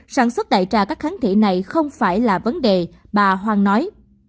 sản xuất đại trà các kháng thể này không phải là vấn đề bà hoàng nói